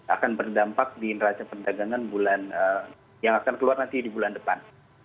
akan berdampak di neraca perdagangan bulan yang akan keluar nanti di bulan depan